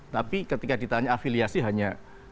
tapi ketika ditanya afiliasi hanya satu tujuh